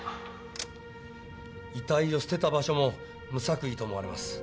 遺体を捨てた場所も無作為と思われます。